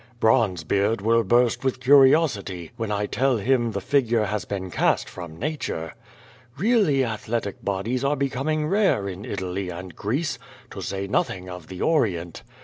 Bronzebeard will burst with curiosity when I tell him the figure has been cast from nature. Really athletic bodies are becoming rare in Italy and Greece, to say nothing of the Orient.